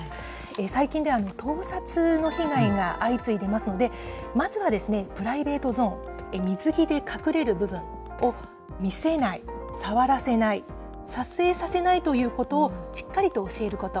最近では盗撮の被害が相次いでますので、まずはですね、プライベートゾーン、水着で隠れる部分を見せない、触らせない、撮影させないということをしっかりと教えること。